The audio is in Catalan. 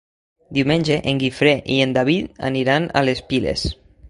Diumenge en Guifré i en David aniran a les Piles.